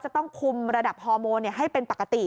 จะต้องคุมระดับฮอร์โมนให้เป็นปกติ